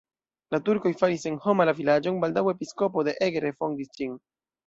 La turkoj faris senhoma la vilaĝon, baldaŭe episkopo de Eger refondis ĝin.